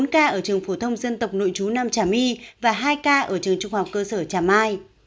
bốn ca ở trường phổ thông dân tộc nội chú nam trà my và hai ca ở trường trung học cơ sở trà mai